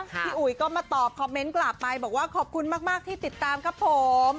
อุ๋ยก็มาตอบคอมเมนต์กลับไปบอกว่าขอบคุณมากที่ติดตามครับผม